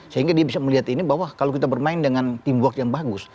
sehingga dia bisa melihat ini bahwa kalau kita bermain dengan teamwork yang bagus